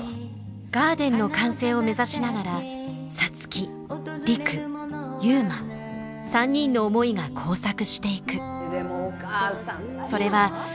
ガーデンの完成を目指しながら皐月陸悠磨３人の思いが交錯していく。